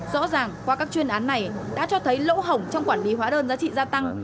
rõ ràng qua các chuyên án này đã cho thấy lỗ hỏng trong quản lý hóa đơn giá trị gia tăng